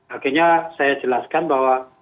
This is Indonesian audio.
akhirnya saya jelaskan bahwa